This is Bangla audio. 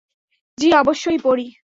জি, অবশ্যই পড়ি।